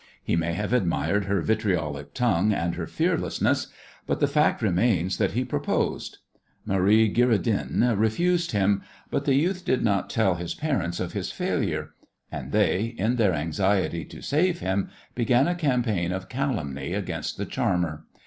He may have admired her vitriolic tongue and her fearlessness, but the fact remains that he proposed. Marie Girodin refused him, but the youth did not tell his parents of his failure, and they, in their anxiety to save him, began a campaign of calumny against the "charmer."